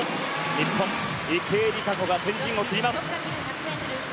日本、池江璃花子が先陣を切ります。